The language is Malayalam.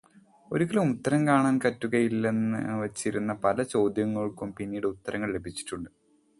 ഒരിക്കലും ഉത്തരം കാണാൻ പറ്റുകയില്ല എന്നുവെച്ചിരുന്ന പല ചോദ്യങ്ങൾകും പിന്നീട് ഉത്തരങ്ങൾ ലഭിച്ചിട്ടുണ്ട്.